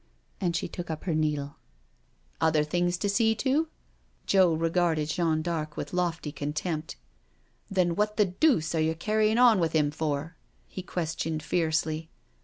And she took up her needle. " Other things to see to?" Joe regarded Jeanne d'Arc with lofty contempt. " Then what the deuce are you carrying on with 'im for?" he questioned fiercely.